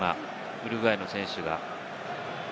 ウルグアイの選手が。